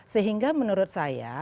sehingga menurut saya